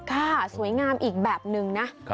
ค่ะสวยงามอีกแบบนึงนะ